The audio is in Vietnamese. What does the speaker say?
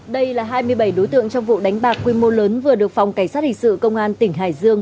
đây là hai mươi bảy đối tượng trong vụ đánh bạc quy mô lớn vừa được phòng cảnh sát hình sự công an tỉnh hải dương